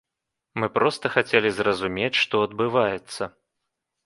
Мы проста хацелі зразумець, што адбываецца.